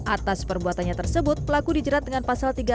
atas perbuatannya tersebut pelaku dijerat dengan pasal tiga ratus